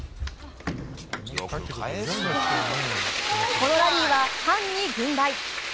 このラリーはハンに軍配。